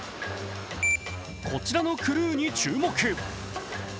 こちらのクルーに注目。